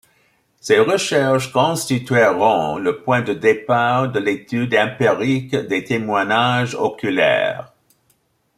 Ces recherches constitueront le point de départ de l'étude empirique des témoignages oculaires.